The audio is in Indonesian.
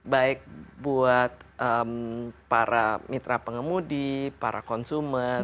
baik buat para mitra pengemudi para konsumen